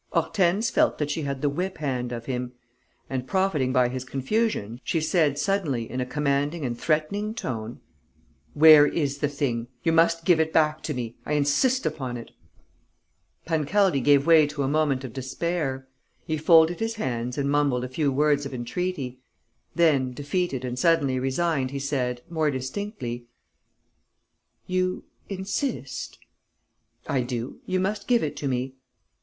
Hortense felt that she had the whip hand of him; and, profiting by his confusion, she said, suddenly, in a commanding and threatening tone: "Where is the thing? You must give it back to me. I insist upon it." Pancaldi gave way to a moment of despair. He folded his hands and mumbled a few words of entreaty. Then, defeated and suddenly resigned, he said, more distinctly: "You insist?..." "I do. You must give it to me."